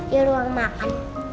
di ruang makan